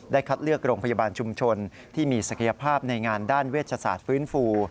คัดเลือกโรงพยาบาลชุมชนที่มีศักยภาพในงานด้านเวชศาสตร์ฟื้นฟู